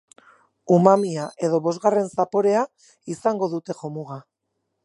Umamia edo bosgarren zaporea izango dute jomuga.